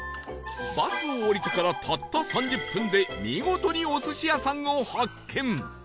バスを降りてからたった３０分で見事にお寿司屋さんを発見